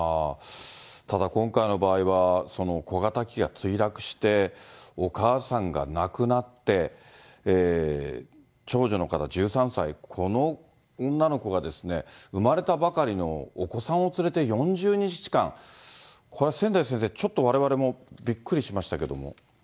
ただ今回の場合は、小型機が墜落して、お母さんが亡くなって、長女の方１３歳、この女の子がですね、生まれたばかりのお子さんを連れて、４０日間、これは千代先生、ちょっとわれわれもびっくりしましたけども。